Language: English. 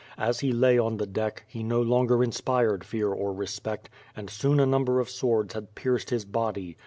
As he lay on the deck, he no longer inspired fear or respect, and soon a number of swords had pierced his body.